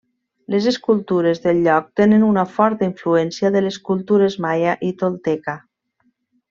Les escultures del lloc tenen una forta influència de les cultures maia i tolteca.